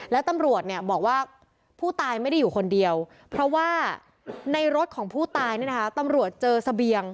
แล้วตำรวจเนี่ยบอกว่าผู้ตายไม่ได้อยู่คนเดียวเพราะว่าในรถของผู้ตายเนี่ยนะคะตำรวจเจอเสบียง